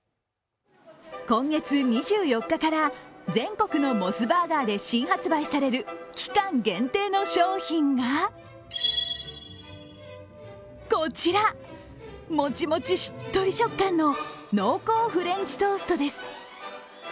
今月２４日から全国のモスバーガーで新発売される期間限定の商品がこちら、もちもち、しっとり食感の濃厚フレンチトーストです。